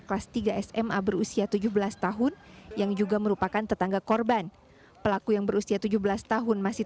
kelas tiga sma berusia tujuh belas tahun yang juga merupakan tetangga korban pelaku yang berusia tujuh belas tahun masih